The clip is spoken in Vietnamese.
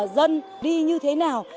dân đi như thế nào